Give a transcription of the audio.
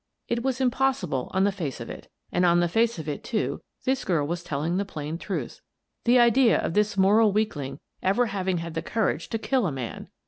It was impossible on the face of it — and on the face of it, too, this girl was telling the plain truth. The idea of this moral weakling ever having had the courage to kill a man